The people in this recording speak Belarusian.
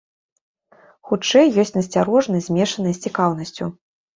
Хутчэй, ёсць насцярожанасць змешаная з цікаўнасцю.